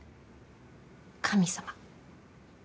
神様。